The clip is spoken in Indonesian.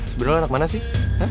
sebenernya lo anak mana sih